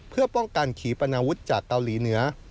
เพื่อป้องกันขีปนาวุฒิจากเกาหลีเหนือ